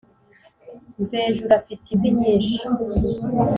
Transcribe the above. mvejuru afite imvi myinshi